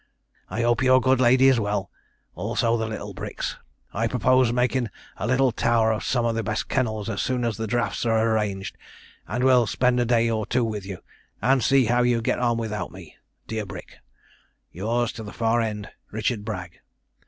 'I hope your good lady is well also all the little Bricks. I purpose making a little tower of some of the best kennels as soon as the drafts are arranged, and will spend a day or two with you, and see how you get on without me. Dear Brick,' 'Yours to the far end, 'RICHARD BRAGG.